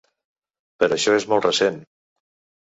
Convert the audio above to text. Però això és molt recent.